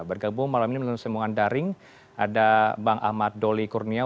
bergabung malam ini melalui sambungan daring ada bang ahmad doli kurnia